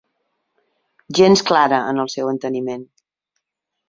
Gens clara en el seu enteniment.